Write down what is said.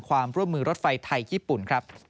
ความร่วมมือรถไฟไทยญี่ปุ่นครับ